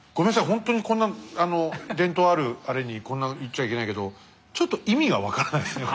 ほんとにこんな伝統あるあれにこんな言っちゃいけないけどちょっと意味が分からないですね。